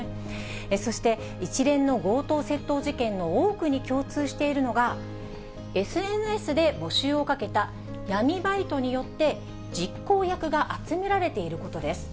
そして一連の強盗窃盗事件の多くに共通しているのが、ＳＮＳで募集をかけた、闇バイトによって実行役が集められていることです。